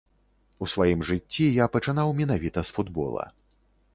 У сваім жыцці я пачынаў менавіта з футбола.